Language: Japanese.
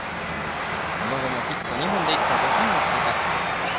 その後もヒット２本で一挙５点を追加。